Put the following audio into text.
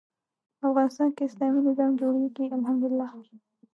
افغانستان کې اسلامي نظام جوړېږي الحمد لله.